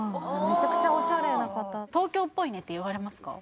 めちゃくちゃオシャレな方「東京っぽいね」って言われますか？